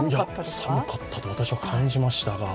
寒かったと私は感じましたが。